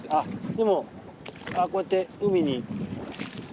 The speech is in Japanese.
でも、こうやって海に。